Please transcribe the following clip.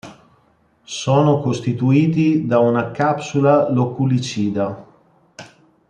Sono costituiti da una capsula loculicida.